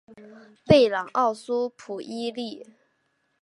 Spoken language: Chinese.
贝朗奥苏普伊利。